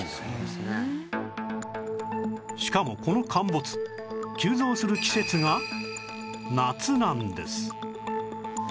しかもこの陥没急増する季節が夏なんです